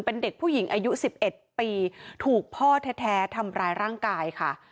เป็นเด็กผู้หญิงอายุ๑๑ปีถูกพ่อแท้ทำร้ายร่างกายค่ะ